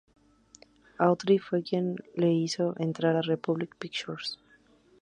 Autry fue quien le hizo entrar en Republic Pictures.